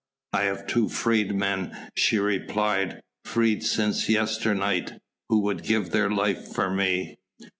"I have two freedmen," she replied, "free since yesternight, who would give their life for me."